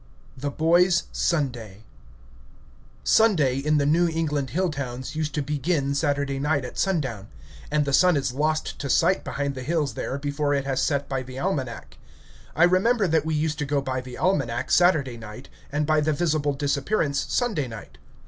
V. THE BOY'S SUNDAY Sunday in the New England hill towns used to begin Saturday night at sundown; and the sun is lost to sight behind the hills there before it has set by the almanac. I remember that we used to go by the almanac Saturday night and by the visible disappearance Sunday night.